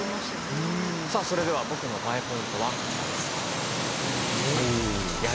さあそれでは僕のＢＡＥポイントはこちらです。